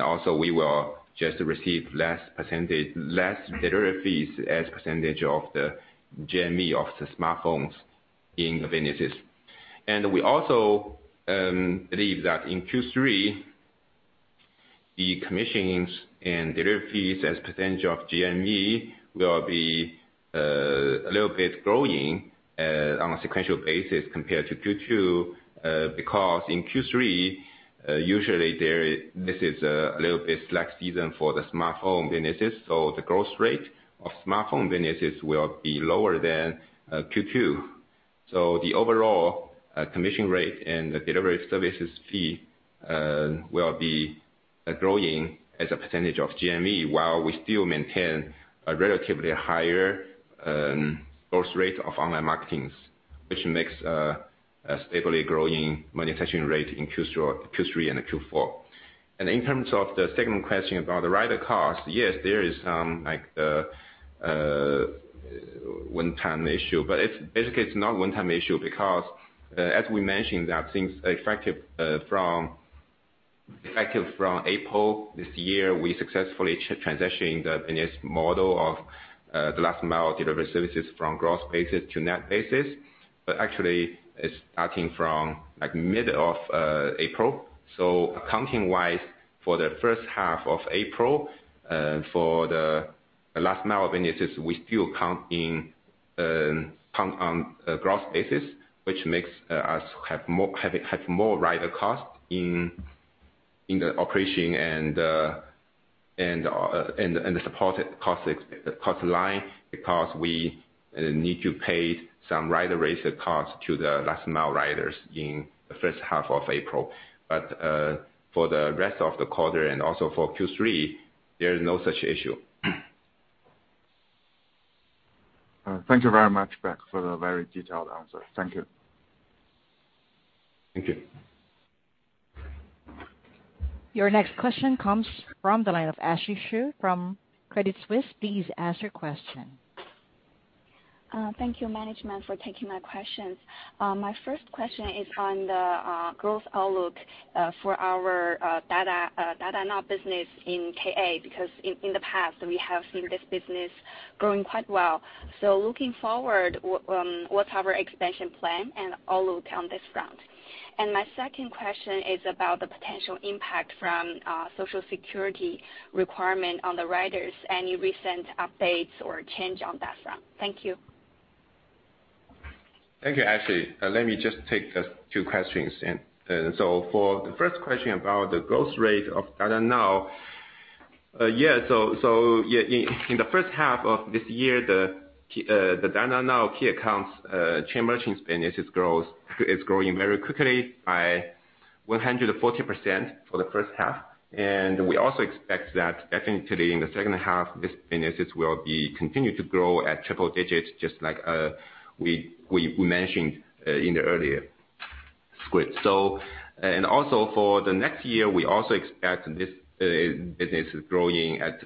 Also we will just receive less delivery fees as a percentage of the GMV of the smartphones in the business. We also believe that in Q3, the commissions and delivery fees as a percentage of GMV will be a little bit growing on a sequential basis compared to Q2. Because in Q3, usually this is a little bit slack season for the smartphone businesses, the growth rate of smartphone businesses will be lower than Q2. The overall commission rate and the delivery services fee will be growing as a percentage of GMV while we still maintain a relatively higher growth rate of online marketing, which makes a stably growing monetization rate in Q3 and Q4. In terms of the second question about the rider cost, yes, there is some one-time issue. Basically, it's not a one-time issue because as we mentioned that effective from April this year, we successfully transitioning the business model of the last mile delivery services from gross basis to net basis. Actually, it's starting from mid of April. Accounting wise, for the first half of April, for the last mile businesses, we still count on gross basis, which makes us have more rider cost in the operation and the support cost line because we need to pay some rider raise costs to the last mile riders in the first half of April. For the rest of the quarter and also for Q3, there is no such issue. Thank you very much, Beck, for the very detailed answer. Thank you. Thank you. Your next question comes from the line of Ashley Xu from Credit Suisse. Please ask your question. Thank you management for taking my questions. My first question is on the growth outlook for our Dada Now business in KA, because in the past we have seen this business growing quite well. Looking forward, what's our expansion plan and outlook on this front? My second question is about the potential impact from social security requirement on the riders. Any recent updates or change on that front? Thank you. Thank you, Ashley. Let me just take the two questions. For the first question about the growth rate of Dada Now. In the first half of this year, the Dada Now key accounts, chain merchants businesses is growing very quickly by 140% for the first half. We also expect that definitely in the second half, this business will be continued to grow at triple digits, just like we mentioned in the earlier script. Also for the next year, we also expect this business growing at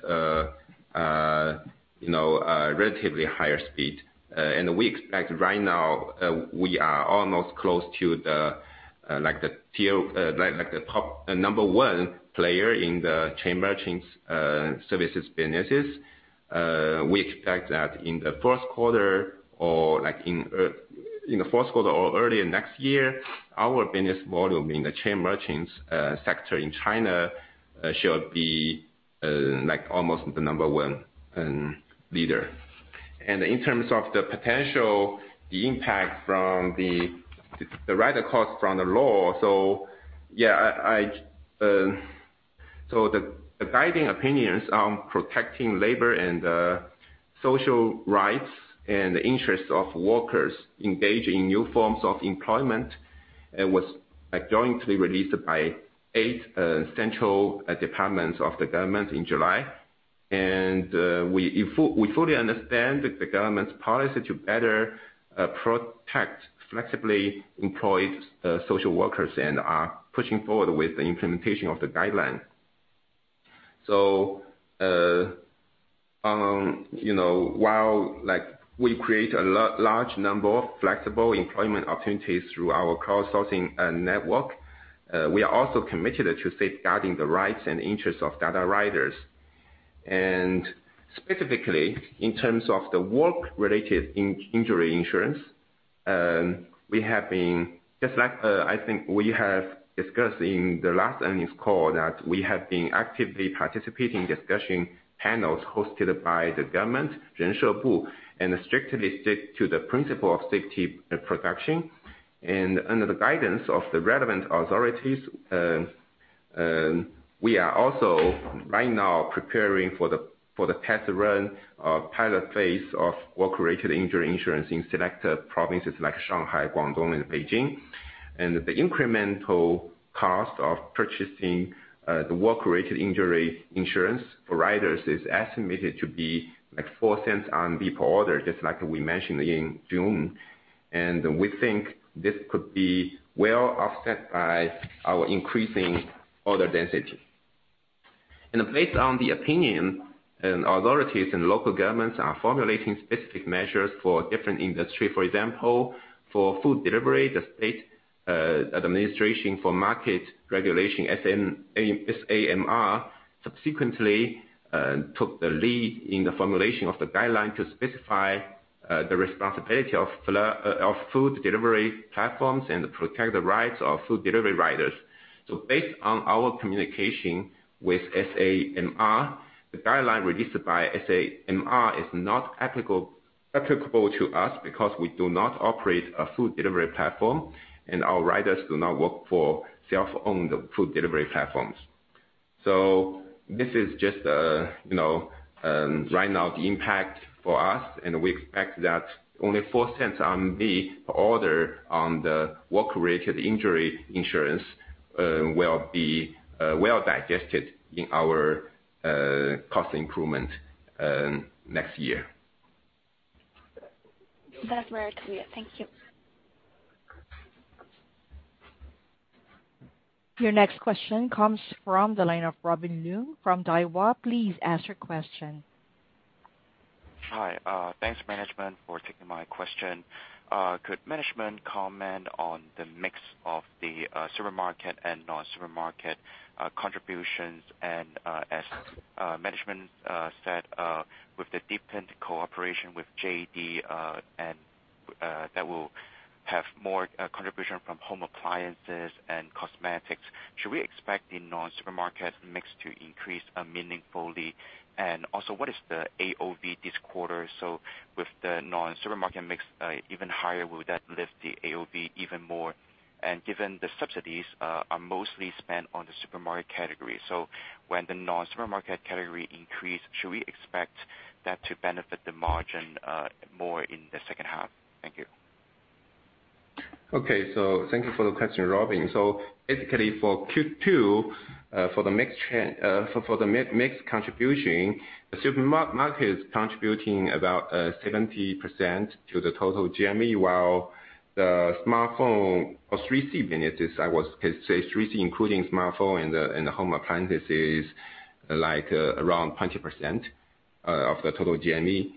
a relatively higher speed. We expect right now we are almost close to the number one player in the chain merchants services businesses. We expect that in the fourth quarter or early next year, our business volume in the chain merchants sector in China should be almost the number one leader. In terms of the potential impact from the rider cost from the law. The Guiding Opinions on Protecting Labor and Social Rights and the Interests of Workers Engaged in New Forms of Employment was jointly released by eight central departments of the government in July. We fully understand the government's policy to better protect flexibly employed social workers and are pushing forward with the implementation of the guidelines. So while we create a large number of flexible employment opportunities through our crowdsourcing network, we are also committed to safeguarding the rights and interests of Dada riders. Specifically, in terms of the work-related injury insurance, I think we have discussed in the last earnings call that we have been actively participating in discussion panels hosted by the government, and strictly stick to the principle of safety production. Under the guidance of the relevant authorities, we are also right now preparing for the test run pilot phase of work-related injury insurance in selected provinces like Shanghai, Guangdong, and Beijing. The incremental cost of purchasing the work-related injury insurance for riders is estimated to be 0.04 per order, just like we mentioned in June. We think this could be well offset by our increasing order density. Based on the opinion, authorities and local governments are formulating specific measures for different industry. For example, for food delivery, the State Administration for Market Regulation, SAMR, subsequently took the lead in the formulation of the guideline to specify the responsibility of food delivery platforms and protect the rights of food delivery riders. Based on our communication with SAMR, the guideline released by SAMR is not applicable to us because we do not operate a food delivery platform, and our riders do not work for self-owned food delivery platforms. This is just right now the impact for us, and we expect that only 0.04 per order on the work-related injury insurance will be well digested in our cost improvement next year. That's very clear. Thank you. Your next question comes from the line of Robin Leung from Daiwa. Please ask your question. Hi. Thanks management for taking my question. Could management comment on the mix of the supermarket and non-supermarket contributions? As management said, with the deepened cooperation with JD.com, that will have more contribution from home appliances and cosmetics. Should we expect the non-supermarket mix to increase meaningfully? Also, what is the AOV this quarter? With the non-supermarket mix even higher, will that lift the AOV even more? Given the subsidies are mostly spent on the supermarket category. When the non-supermarket category increase, should we expect that to benefit the margin more in the second half? Thank you. Okay. Thank you for the question, Robin. Basically for Q2, for the mix contribution, the supermarket is contributing about 70% to the total GMV while the smartphone or 3C business, I was say 3C including smartphone and the home appliances, like around 20% of the total GMV.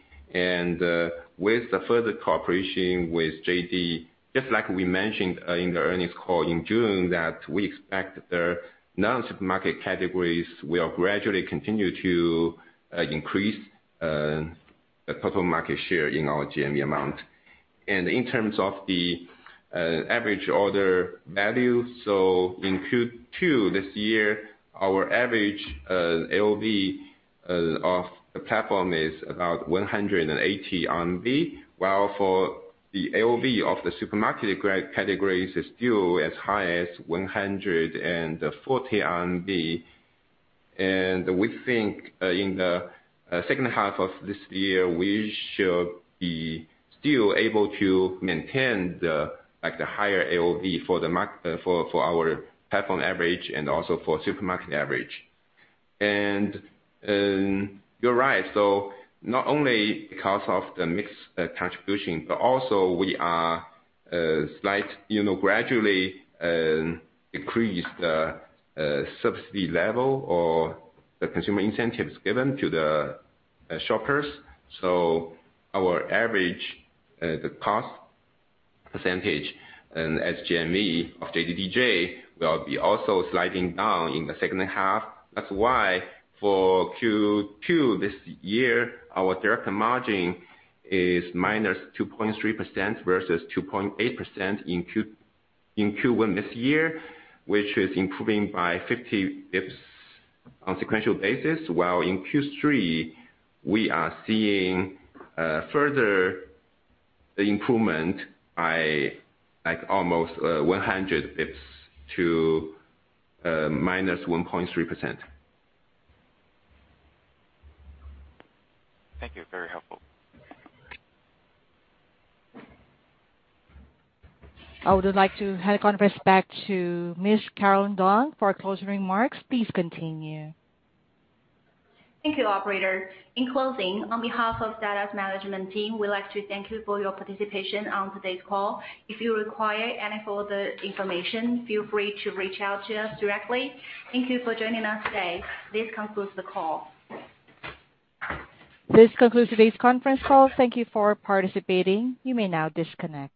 With the further cooperation with JD.com, just like we mentioned in the earnings call in June, that we expect their non-supermarket categories will gradually continue to increase the total market share in our GMV amount. In terms of the average order value, in Q2 this year, our average AOV of the platform is about 180 RMB. While for the AOV of the supermarket categories is still as high as 140 RMB. We think in the second half of this year, we should be still able to maintain the higher AOV for our platform average and also for supermarket average. You're right, so not only because of the mix contribution, but also we are gradually decrease the subsidy level or the consumer incentives given to the shoppers. Our average, the cost percentage and as GMV of JDDJ, will be also sliding down in the second half. That's why for Q2 this year, our direct margin is -2.3% versus 2.8% in Q1 this year, which is improving by 50 basis points on sequential basis. In Q3, we are seeing further improvement by almost 100 basis points to -1.3%. Thank you. Very helpful. I would like to hand conference back to Ms. Caroline Dong for closing remarks. Please continue. Thank you, operator. In closing, on behalf of Dada's management team, we'd like to thank you for your participation on today's call. If you require any further information, feel free to reach out to us directly. Thank you for joining us today. This concludes the call. This concludes today's conference call. Thank you for participating. You may now disconnect.